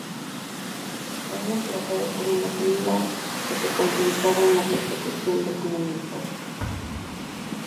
Fue reemplazado por uno similar que se concentraba en la persecución de comunistas.